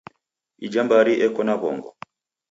Ija mbari eko na w'ongo.